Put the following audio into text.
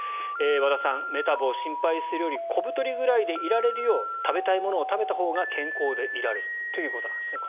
和田さん、メタボを心配するより小太りぐらいでいられるよう食べたいものを食べたほうが健康でいられるということです。